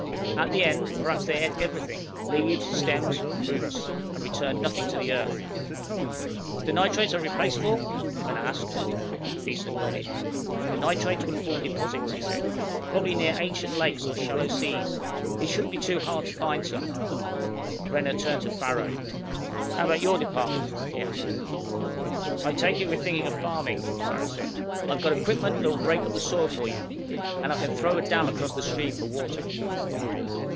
At the end, perhaps they ate everything, leaves, stems and roots, and returned nothing to the earth." "The nitrates are replaceable?" Renner asked. Beeson nodded. "The nitrates will have formed deposits," he said, "probably near ancient lakes or shallow seas. It shouldn't be too hard to find some." Renner turned to Farrow. "How about your department?" he asked. "I take it we're thinking of farming," Farrow said. "I've got equipment that will break up the soil for you. And I can throw a dam across the stream for water."